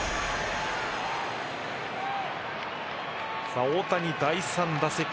さあ大谷第３打席。